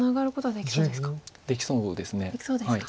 できそうですか。